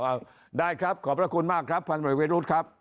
เอาได้ครับขอบพระคุณมากครับพันหน่วยวิรุธครับ